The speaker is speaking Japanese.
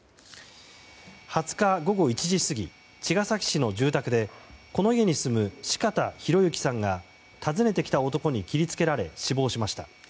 ２０日午後１時過ぎ茅ヶ崎市の住宅でこの家に住む四方洋行さんが訪ねてきた男に切りつけられ死亡しました。